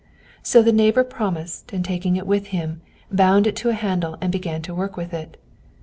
So the neighbor promised, and taking it with him, bound it to a handle and began to work with it.